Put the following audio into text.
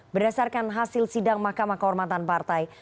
berdasarkan hasil sidang mahkamah kehormatan partai